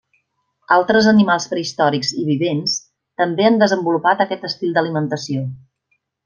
Altres animals prehistòrics i vivents també han desenvolupat aquest estil d'alimentació.